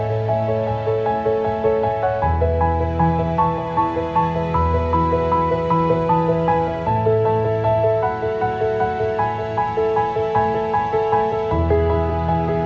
มันก็ต้องเปลี่ยน